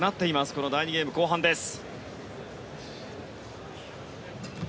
この第２ゲーム後半です。